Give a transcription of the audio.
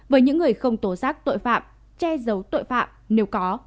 với những người không tố giác tội phạm che giấu tội phạm nếu có